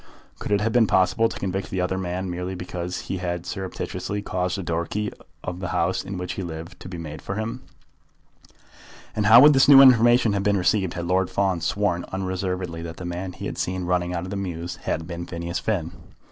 Could it have been possible to convict the other man, merely because he had surreptitiously caused a door key of the house in which he lived to be made for him? And how would this new information have been received had Lord Fawn sworn unreservedly that the man he had seen running out of the mews had been Phineas Finn?